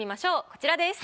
こちらです。